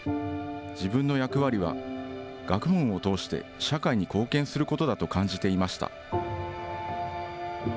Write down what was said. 自分の役割は、学問を通して社会に貢献することだと感じていました。